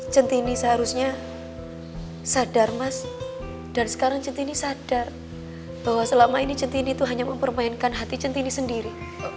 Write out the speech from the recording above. centini seharusnya sadar mas dan sekarang jentini sadar bahwa selama ini cetini itu hanya mempermainkan hati centini sendiri